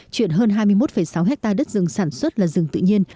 chuyển hơn hai mươi một sáu hectare đất rừng sản xuất là rừng tự nhiên